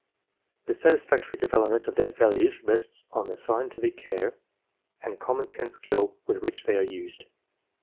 The satisfactory development of their values rests on the scientific care and common sense skill with which they are used.